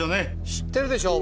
知ってるでしょう？